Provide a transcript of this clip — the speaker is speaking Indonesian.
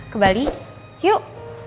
ke bali yuk